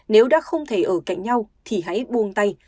nếu đã không thể ở cạnh nhau thì hãy buông tay